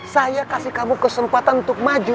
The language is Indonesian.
saya kasih kamu kesempatan untuk maju